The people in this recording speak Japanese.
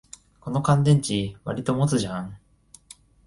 この乾電池、わりと持つじゃん